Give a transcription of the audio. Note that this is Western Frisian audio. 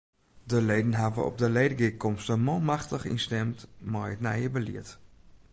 De leden hawwe op de ledegearkomste manmachtich ynstimd mei it nije belied.